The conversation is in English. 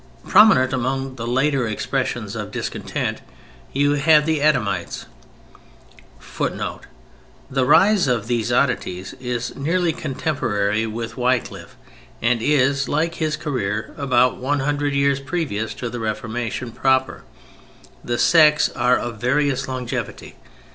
Prominent among the later expressions of discontent you have the Adamites, [Footnote: The rise of these oddities is nearly contemporary with Wycliffe and is, like his career, about one hundred years previous to the Reformation proper: the sects are of various longevity.